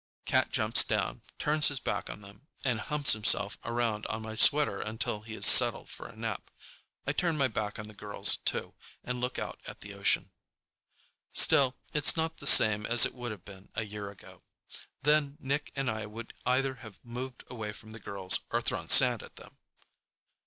Cat jumps down, turns his back on them, and humps himself around on my sweater until he is settled for a nap. I turn my back on the girls, too, and look out at the ocean. Still, it's not the same as it would have been a year ago. Then Nick and I would either have moved away from the girls or thrown sand at them.